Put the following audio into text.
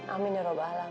amin ya rabbal alamin